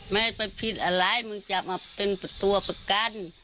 ไม่ไปผิดอะไรมึงจะมาเป็นตัวประกัน